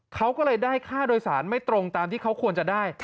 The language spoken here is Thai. เขาก็เลยได้ค่าโดยสารไม่ตรงตามที่เขาควรจะได้